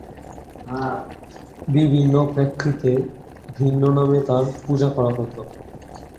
বিভিন্ন প্রেক্ষিতে ভিন্ন নামে তার পূজা করা হতো।